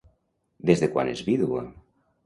Des de quan és vídua?